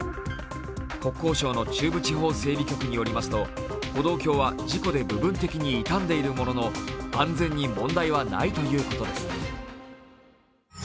国交省の中部地方整備局によりますと歩道橋は事故で部分的に傷んでいるものの安全に問題はないということです。